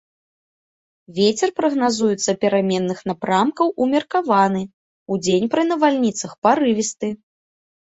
Вецер прагназуецца пераменных напрамкаў умеркаваны, удзень пры навальніцах парывісты.